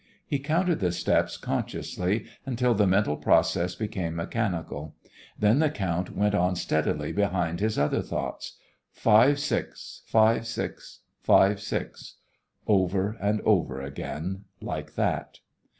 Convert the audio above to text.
He counted the steps consciously, until the mental process became mechanical. Then the count went on steadily behind his other thoughts five, six; five, six; five, six; over and over again, like that.